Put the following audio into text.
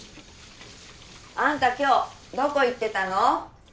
あんた今日どこ行ってたの。